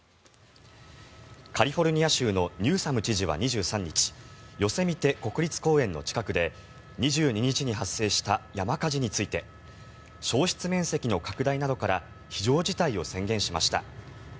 カリフォルニア州のニューサム知事は２３日ヨセミテ国立公園の近くで２２日に発生した山火事について焼失面積の拡大などから非常事態を宣言しました。